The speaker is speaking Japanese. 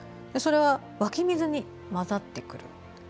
それが湧き水に混ざってくる。